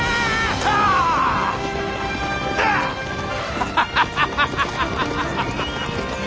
ハハハハハハ！